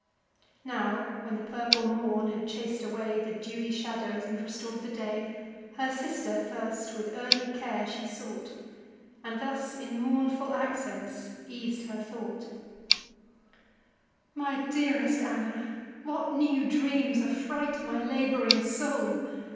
Now, when the purple morn had chas'd away The dewy shadows, and restor'd the day, Her sister first with early care she sought, And thus in mournful accents eas'd her thought: "My dearest Anna, what new dreams affright My lab'ring soul!